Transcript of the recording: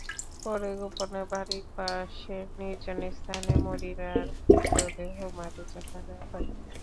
পরে গোপনে বাড়ির পাশের নির্জন স্থানে মনিরার মৃতদেহ মাটিচাপা দেওয়া হয়।